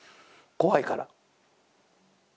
怖いから。